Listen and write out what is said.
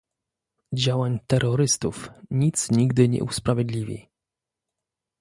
Działań terrorystów nic nigdy nie usprawiedliwi